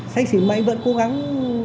xanh xỉn mà anh vẫn cố gắng